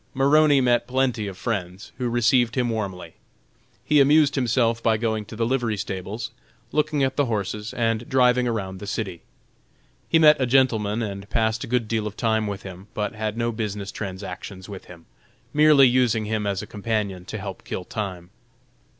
Maroney met plenty of friends, who received him warmly. He amused himself by going to the livery stables, looking at the horses, and driving around the city. He met a gentleman and passed a good deal of time with him, but had no business transactions with him; merely using him as a companion to help kill time.